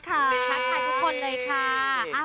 ทักทายทุกคนเลยค่ะ